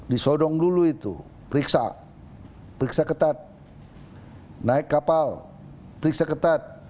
disodong dulu itu periksa periksa ketat naik kapal periksa ketat